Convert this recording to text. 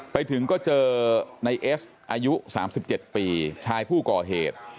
ไปถึงก็เจอในเอสอายุ๓๗ปีชายผู้ก่อเหตุ